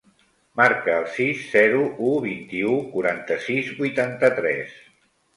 Marca el sis, zero, u, vint-i-u, quaranta-sis, vuitanta-tres.